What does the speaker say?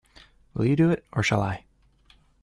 Will you do it, or shall I?